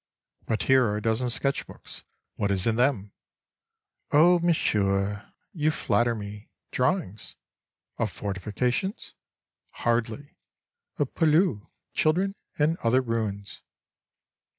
—But here are a dozen sketch books, what is in them?—Oh, Monsieur, you flatter me: drawings.—Of fortifications? Hardly; of poilus, children, and other ruins.